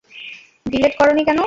Delete করোনি কেন?